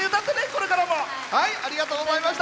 これからも。